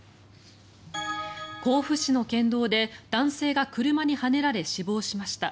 甲府市の県道で男性が車にはねられ死亡しました。